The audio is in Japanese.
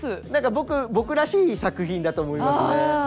僕僕らしい作品だと思いますね。